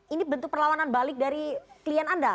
ini bentuk perlawanan balik dari klien anda